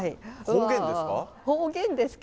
方言ですか？